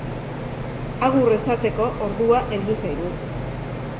Agur esateko ordua heldu zaigu.